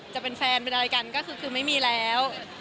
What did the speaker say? จะเป็นแฟนเป็นอะไรกันก็คือไม่มีแล้ว